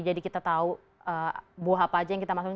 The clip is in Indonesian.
jadi kita tahu buah apa aja yang kita masukin